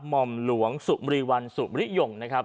ห่อมหลวงสุมรีวันสุมริยงนะครับ